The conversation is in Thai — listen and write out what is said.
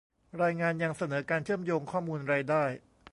รายงานยังเสนอการเชื่อมโยงข้อมูลรายได้